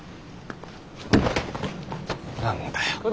何だよ。